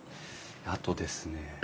あとですね